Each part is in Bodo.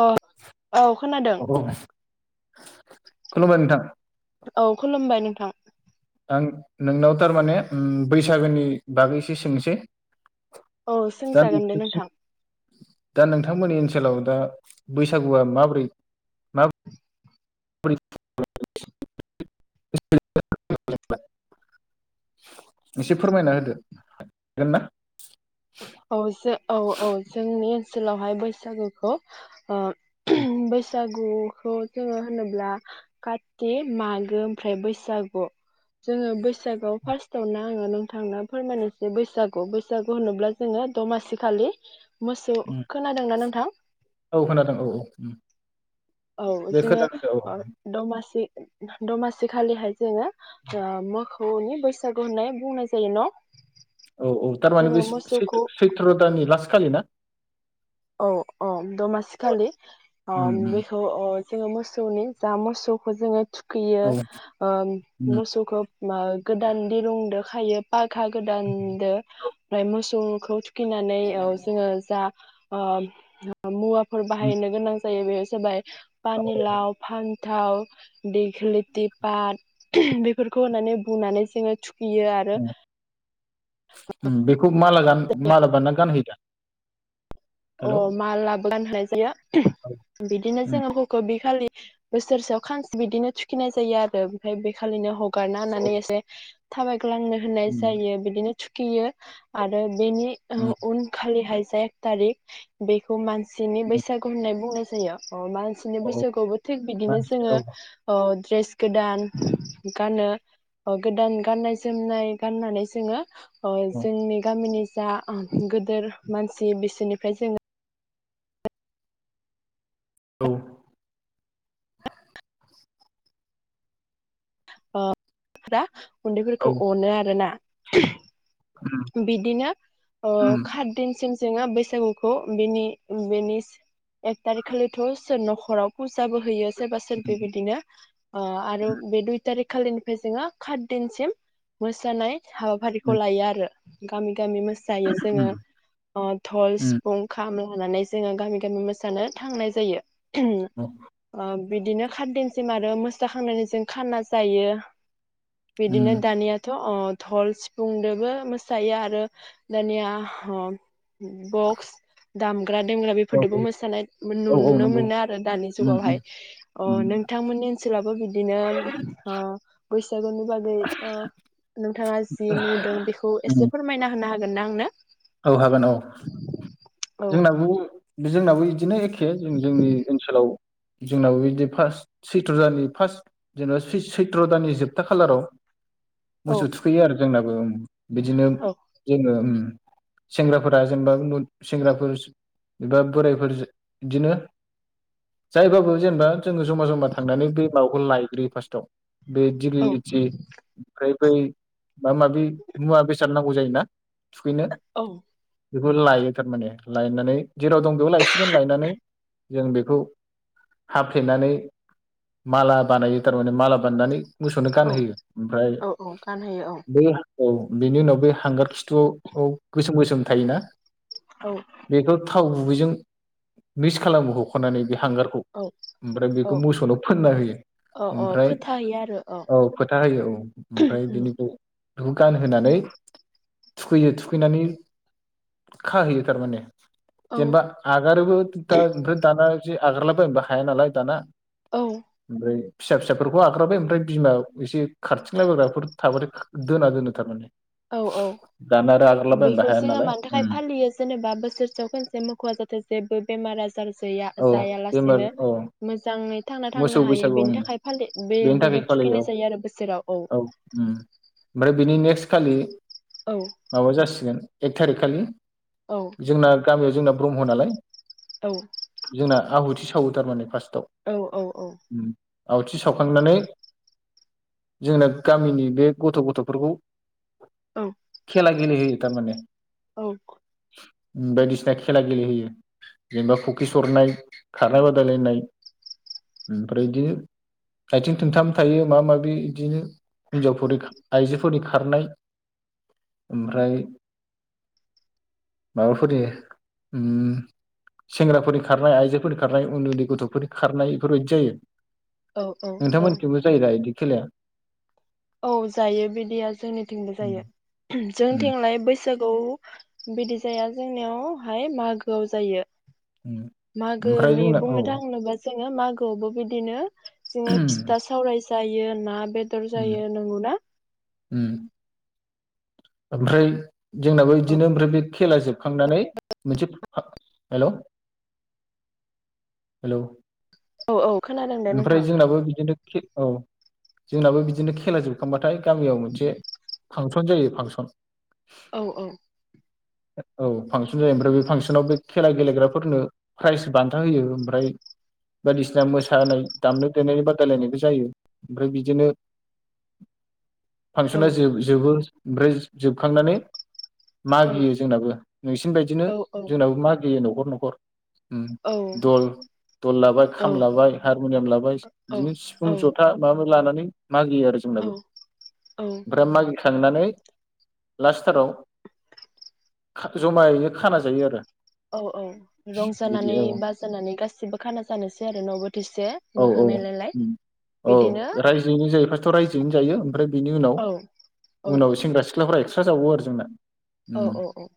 अ औ खोनादों औ औ खुलुमबाय नोंथां औ खुलुमबाय नोंथां थां आं नोंनाव थारमाने ओ बैसागोनि बागैसो एसे औ सोंसै दा सोंजागोन दे नोंथां [unintelligible] नोंथांमोननि ओनसोलाव दा बैसागुआ माबोरै मा [unintelligible] [unintelligible] एसे फोरमायना होदो हागोन ना औ एसे औ औ जोंनि ओनसोलावहाय बैसागुखौ [unintelligible] बैसाग गुखौ जोङो होनोब्ला काति मागो ओमफ्राय बैसागु जोङो बैसागुआव फार्स्टआवनो आङो नोंथांनो फोरमानिसै बैसागु बैसागु होनोब्ला जोङो दमासि खालि मोसौ खोनादों ना नोंथां औ खोनादों औ औ उम औ जोङो ओ दमासि दमासि खालिहाय जोङो ओ मोखौनि बैसागु होननाय बुंनाय जायो न औ औ थारमाने जोङो बे मोसौखौ सैथ्र दानि लास्त खालि ना औ औ दमासि खालि ओ उम उम बेखौ ओ जोङो मोसौनि जा मोसौखौ जोङो थु खैयो औ ओ उम मोसौखौ मा गोदान दिरुंदो खायो बा खा गोदानदो ओमफ्राय मोसौ खौ थु खैनानै औ जोङो जा ओ मुवा फोर उम बाहायनो गोनां जा जायो बेयो जाबाय पानि लाव फान थाव दैगोलथि पात [unintelligible] बेफोरखौ होननानै बुनानै जोङो थु खैयो आरो उम्म बेखौ माला गान माला बानना गानहोयो दा अ हेलौ मालाबो गान हो जायो औ [unintelligible] बिदिनो उम जोङो [unintelligible] बि खालि बोसोरसेयाव खांस बिदिनो थुखिनाय जायो आरो ओमफ्राय बेखालिनो ह हगारना औ होनानै एसे थाबाय ग्लांनो होननाय उम जायो बिदिनो थुखियो आरो बेनि ओ उम उन खालिहाय से थारिख बेखौ मानसि सिनि उम बैसागु होननाय बुंनाय जायो ओ मानसिनि औ औ बैसागुआवबो थिग बिदिनो मानसि जोंङो औ ओ द्रेस गोदान गानो गोदान गाननाय जोमनाय गाननानै जोंङो अ जोंनि गामिनि जा गोदोर मानसि बिसोरनि फ्राय जोंङो औ ओ [unintelligible] औ उन्दैफोरखौ अनो आरो ना उम [inaudible] बिदिनो उम खात दिनसिम जोंहा बैसागुखौ बेनि बेनि एक तारिख खालिथ न'खराव फुजाबो होयो। सोरबा सोरबि उम बेदिनो आरो बे दुइ थारिख खालिनिफ्राय जोंङो खात दिनसिम मोसानाय हाबाफारिखौ उम लायो आरो गामि गामि मोसायो जोङो धल उम सिफुं खाम लानानै जोङो गामि गामि मोसानो थांनाय जायो। उम ओ बिदिनो खाददिन सिम आरो मोसाखांनानै जों खाना जायो। बिदिनो उम दानियाथ अ धल सिफुंदोबो मो सायो आरो दानिया ह बक्स दाम ग्रा दोमग्रा औ बेफोरजोंबो मोसानाय औ औ नुनो नंगौ मोनो आरो दानि उम जुगावहाय उम अ उम नोंथांमोननि सोलाबो बिदि दिनो ओ‌ सागुनि बागै ओ नोंथा थाङा जि नुदों बेखौ उम एसे फोरमायना होनो हागोन ना आंनो औ हागोन औ। औ जोंनाबो जोंनाबो इद दिनो एखे जों जोंनि ओनसोलाव जोंनाबो बिदि फार्स्ट सैथ्र दाननि फार्स्ट जेनेबा सैथ्र दाननि जोबथा खालाराव औ मोसौ थुखैयो आरो जोंनाबो उम बिदिनो औ जोङो। उम सेंग्राफोरा जेनेबा सेंग्राफोर एबा बोरायफोर इदिनो जायबाबो जेनेबा जोङो जमा जमा थांनानै बे माबाखौ लायग्रोयो फार्स्टआव। बे औ दिलिलिथि ओमफ्राय बै मा माबि मुवा बेसाद। नांगौ जायोना थुखैनो। औ बेखौ लाय थारमाने लायनानै जेराव दं बेयाव लायसिगोन लायनानै जों बेखौ हाफ्लेनानै माला बानायो थारमाने माला बानायनानै मोसौनो औ गानहोयो ओमफ्राय औ औ गानहोयो औ बै हा औ बेनि उनाव बे हांगार खिथुआव औ गोसोम गोसोम थायोना। औ बेखौ था थाव गुबैजों मिस खालामो हखनानै बे थांगारखौ औ ओमफ्राय औ बेखौ मोसौनाव फोनना होयो औ औ ओमफ्राय फोथायो आरो औ फोथा होयो औ ओमफ्राय औ बिनिखौ बेखौ गानहोनानै थुखैयो थुखैनानै खहैयो थार माने जेनबा आगारोबो दा ओफ्राय दाना बिदि आगारलाबायबा हाया नालाय दाना औ ओमफ्राय फिसा फिसाफोरखौ आग्राबाय ओमफ्राय बिमा एसे खारथिंलायबायग्राफोर थाबाथाय दोना दोनो थारमान औ औ दाना रागालाबायनोबो बेखौ हाया जोङो नालाय मानि थाखाय फालियो जेनेबा बोसोरसेयाव खनसे मोखर जाथों जेबो बेमार आजार जे औ बेमार जायालासेनो औ मोजाङै थांना मोसौ थांनो हायो बैसागु उम बेनि थाखाय फालि बे बेनि थाखाय बिदि फालियो थुखैनाय जायो आरो बोसोराव औ ओमफ्राय बिनि नेक्स्ट खालि औ माबा जासिगोन एक थारिख खालि जोंना गामियाव जोंना ब्रह्म नालाय औ जोंना आहुथि औ थारमाने फार्स्टआव औ औ औ आवथि सावखांनानै जोंना गामिनि बे गथ गथफोरखौ औ खेला गेले होयो थारमाने औ बायदिसिना खेला गेलेहोयो जेनेबा फुखि सरनाय खारनाय बादायलायनाय ओमफ्राय दि आथिं थोंथाम थायो माबा माबि दिनो हिनजावफोरदि आइजोफोरनि खारनाय ओमफ्राय माबाफोरनि सेंग्राफोरनि खारनाय आइजोफोरनि खारनाय उन्दै उन्दै गथफोर खारनाय बेफोरबायदि जायो औ औ औ नोंथांमोनखबो जायो दा बिदि खेलाया औ जायो बिदिया जोंनिथिंबो उम जायो उम जोंथिंलाय बैसागु बिदि जाया जोंनियावहाय मागोआव जायो उम ओमफ्राय मागोनि जोंना औ बुंनो थांनोबा जों ङो मागोआवबो बिदिनो जोङो फिथा उम सावराय जायो ना बेदर जायो नोंगौ ना? उम। ओमफ्राय जोंनाबो बिदिनो ओमफ्राय बे खेला जोबखांनानै मोनसे हेल' हेल' औ औ खोनादों दे नोंथां ओमफ्राय जोंनाबो बिदिनो औ जोंनाबो बिदिनो खेला जोबखांबाथाय गामियाव मोनसे फाक खनजायो फांस अ। औ औ। औ फांसन जायो ओमफ्राय बे फांसनाव बे खेला गेलेग्राफोरनो फ्राइस बान्था होयो ओमफ्राय बायदिसिना मोसानाय दामनाय देनाय बादायलायनायबो जायो ओमफ्राय बिदिनो औ फांसना जो-जोबो [unintelligible] जोबखांनानै औ मागियो जोंनाबो नोंसिनि बायदिनो औ औ जोंनाबो मागियो नाव खर न'खर उम औ दल दल लाबाय औ खाम लाबाय हारमनियाम लाबाय औ दिनो सिफुं जथा माबा लानानै मागियो आरो जोंनाबो औ ओमफ्राय मागि खांनानै लास्टथाराव खा जमायैनो खाना जायो आरो औ औ बिदि रंजानानै औ बाजानानै गासिबो खाना जानोसै आरो न' बोथिसे औ मोखां औ नायलायलाय बिदिनो थ रायजोनो जायो ओमफ्राय बिनि उनाव औ औ उनाव सेंग्रा सिख ख्लाफ्रा एक्सट्रा जावो आरो जोंना। औ उम। औ औ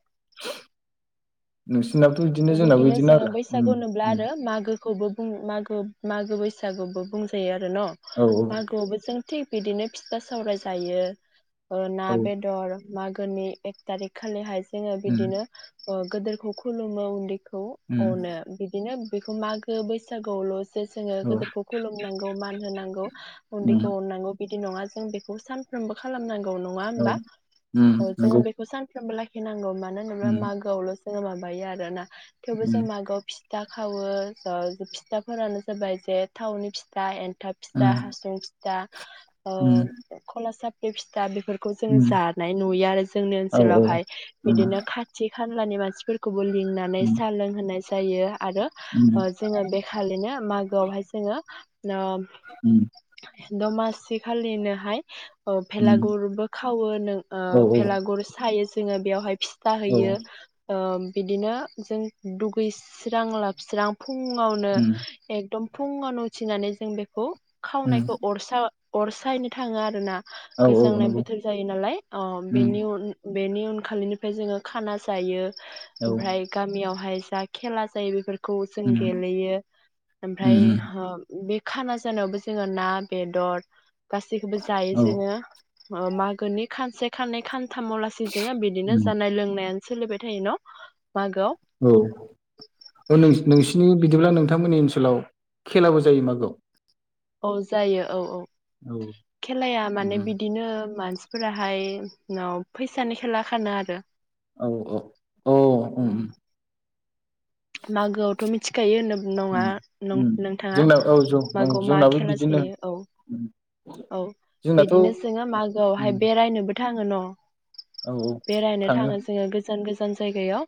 नोंस बिदिनो जोङो बैसागु नुब्ला उम आरो मागोखौबो मागो मागो बैसागुबो बुंजायो आरो न औ मागोआवबो जों थि बिदिनो फिथा सावराय जायो ओ ना, औ बेदर मागोनि एक तारिक खालिहाय जोङो उम बिदिनो ओ गोदोरखौ खुलुम मो उन्दै खौ उम अनो बिदिनो बेखौ मागो बैसागोआवल' जे जोङो औ गोदोरखौ खुलुमनांगौ मान होनांगौ उन्दैखौ उम अननांगौ। बिदि नङा जों बेखौ सानफ्रोमबो खालामनांगौ नङा औ होनबा उम औ जोङो नंगौ बेखौ सान बो लाखिनांगौ मा मानो होनोब्ला उम मागोआवल [unintelligible] [unintelligible] थेवबो जों उम मागोआव फि फिथा खावो ज फिथाफोरानो जाबाय जे थावनि फिथा एन फिथा फिसा उम हासुं दा अ उम खलासा बे फिथा बेफोरखौ जों उम जानाय नुयो आरो जोंनि औ औ ओनसोलावहाय उम बिदिनो खाथि खानलानि मानसिफोरखौ लिंनानै उम साह लोंहोनाय जायो। आरो उम जोङो बेखालिनो मागोआवहाय जोङो न उम दमासि खालिनोहाय उम भेलागुरबो खावो नों ओ औ भेलागुर सायो जोङो बेयावहाय फिथा औ होयो बिदिनो जों दुगैस्रां लोबस्रां फुङावनो उम एकदम फुंआवनो उथिनानै जों बेखौ उम खावनायखौ अरसा अरसायैनो थाङो आरो ना औ औ गोजांनाय नंगौ बोथोर जायो नालाय उम बेनि उन बेनि उनखालिनिफ्राय जोङो खाना जायो औ ओमफ्राय उम गामियावहाय सा खेला जायो बेफोरफोरखौ खौ जों गेलेयो उम ओमफ्राय उम बे खाना जानावबो जोङो ना बेदर गासैखौबो जायो औ जोङो। ओ मागोनि खानसे खानै खान थामावलासि जोङो बिदिनो उम जानाय लोंनायानो सोलिबाय थायो न? मागोआव औ ओ बिदिब्ला नोंथांमोननि ओनसोलाव औ जायो औ औ। औ खेलाया मान उम फोरा औ औ औ उम उम। मागोआवथ' मिथिखायो होननो बुं नङा उम नों उम नों थाङो जोंना औ ज औ जोंनाबो बिदिनो जोंनाथ' उम न बेरायनो औ औ थाङो जोङो गोजान गोज जान जायगायाव।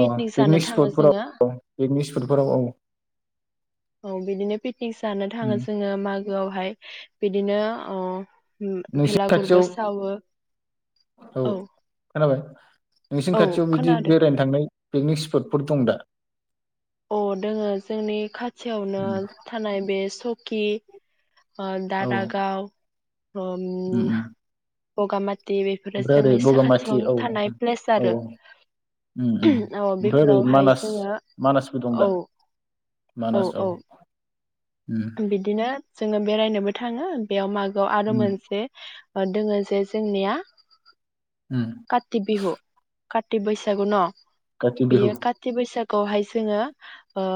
अ जानो पिकनिक थाङो स्पटफोराव जोङो औ पिकनिक स्पटफोराव औ। औ बिदिनो पिकनिक जानो थाङो उम जोङो मागोआवहाय बिदिनो अह। नोंसिनि खाथियाव औ खोनाबाय नोंसिनि औ खाथियाव बिदि खोनादों बेरायनो थांनाय पिकनिक स्पटफोर दं दा? अ दोङो जोंनि खाथियावनो थानाय बे सक खि आ औ दारागाव ओम। उम बगा माथ दिरिफोरा ओमफ्राय ओरै जोंनि बगामाथि साखाथियावनो औ थानाय प्लेस औ आरो उम उम [unintelligible] औ। फुदुंदा मानास औ। बिदिनो जोङो बेरायनोबो थाङो बेयाव मा आव आरो उम मोनसे ओ दोङो जे जोंनिया उम काति बिहु काति बैसागु न? काति बिहु बेयो काति बैसाख खौहाय जोङो ओ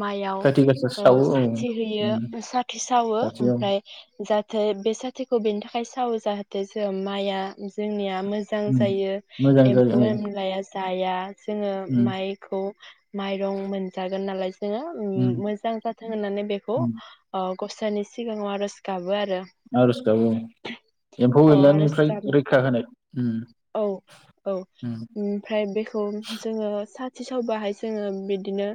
माइयाव काति गासा ओ सावो औ साथि उम होयो साथि सावो खाथियाव ओमफ्राय जा थाय बे साथिखौ बेनि थाखाय सावो जाहाथे जो माइआ जोंनिया मोजां उम जायो मोजां जायो एम्फौ औ एनलाया जाया जोङो उम माइखौ माइरं मोनजागोन नालाय जोङो ओम उम मोजां जाथों होननानै बेखौ उम ओ गसाइनि सिगाङाव आर'ज गाबो आरो। आर'ज गाबोमोन एम्फौ अ आर'ज एनलानिफ्राय गाब रैखा होनाय ओम औ औ ओम। ओमफ्राय बेखौ जोङो साथि सावबाहाय जोङो बिदिनो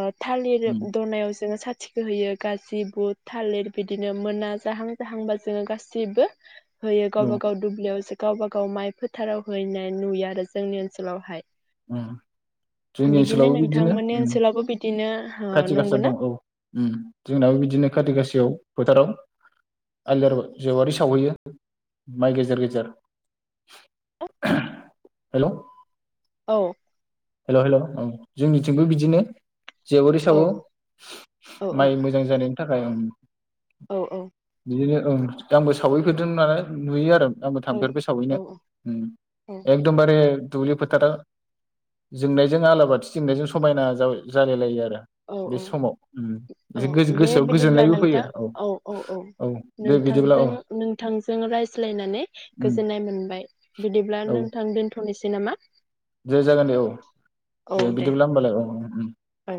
ओ थालिर उम दनायाव जोङो सा थिखो होयो गाजि बुट थालिर बिदिनो मोना जाहां-जाहांबा जोङो गासिबो होयो गावबा औ गाव दुब्लियाव जो गावबा गाव माइ फोथाराव हैनाय नुयो आरो जोंनि ओनसोलावहाय। उम जोंनि ओनसोलावबो बिदिनो नोंथांमोननि उम। ओनसोलावबो बिदिनो ओ खाथि गासा नंगौना दं औ उम जोंनाबो बिदिनो काति गासायाव फोथाराव [unintelligible] जेवारि सावहैयो माइ गेजेर गेजेर हेलौ औ हेलौ हेलौ औ जोंनिथिंबो बिदिनो। जेवारि औ सावो औ औ माइ मोजां जानायनि थाखाय ओम औ औ बिदिनो ओं आंबो सावहैफेरदों नालाय नुयो आरो। आंबो औ थांफेरबाय सावहैनो उम औ एकदमबारे दुब्लिफोथारा जोंनायजों आलाबाथि जोंनायजों समायना जाव-जालाय लायो आरो। औ बे औ समाव उम औ एसे दे गोसोआव बिदिब्ला गोजोननायबो नोंथां फैयो औ औ औ दे बिदिब्ला नोंथांजों औ नोंथांजों रायज्लायनानै उम गोजोननाय मोनबाय बिदिब्ला औ नोंथां दोनथ'निसै नामा? दे जागोन दे औ दे बिदिब्ला होमबालाय औ औ। औ।